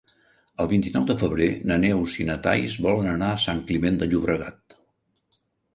El vint-i-nou de febrer na Neus i na Thaís volen anar a Sant Climent de Llobregat.